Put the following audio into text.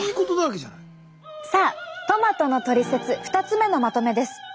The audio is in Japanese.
さあトマトのトリセツ２つ目のまとめです。